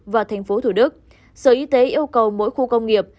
và thành phố thủ đức sở y tế yêu cầu mỗi khu công nghiệp